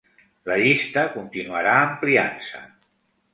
La llista continuarà ampliant-se.